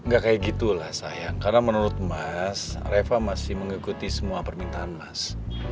gak kayak gitu lah sayang karena menurut mas reva masih mengikuti semua permintaan mas